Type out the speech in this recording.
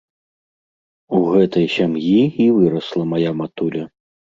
У гэтай сям'і і вырасла мая матуля.